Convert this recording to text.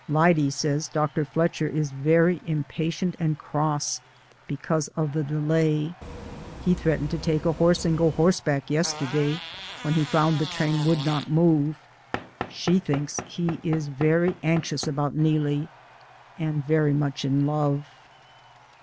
Lyde says Dr. Fletcher is very impatient and cross, because of the delay; he threat ened to take a horse and go horseback yes terday, when he found the train would not move. She thinks he is very anxious about Neelie, and very much in love.